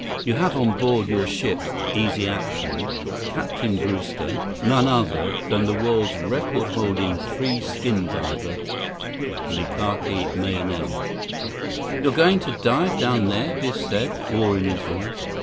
You have on board your ship Easy Action, Captain Brewster, none other than the world's record holding free skin diver, Likake Mahenili." "You're going to dive down there?" Biff said, awe in his voice.